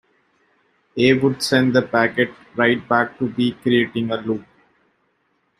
"A" would send the packet right back to "B", creating a loop.